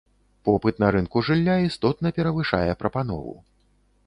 Попыт на рынку жылля істотна перавышае прапанову.